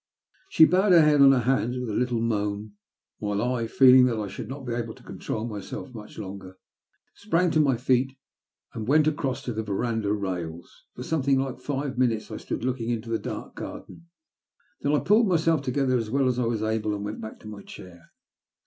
She bowed her head on her hands with a h'ttle moan, while I, feeling that I should not be able to control myself much longer, sprang to my feet and went across to the verandah rails. For something like five minutes I stood looking into the dark garden, then I pulled myself together as well as I was able and went back to my chair.